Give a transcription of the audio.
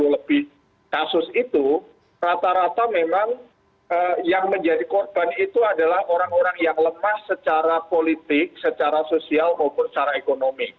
lebih kasus itu rata rata memang yang menjadi korban itu adalah orang orang yang lemah secara politik secara sosial maupun secara ekonomi